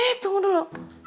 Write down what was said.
eh tunggu dulu